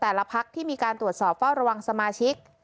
พักที่มีการตรวจสอบเฝ้าระวังสมาชิก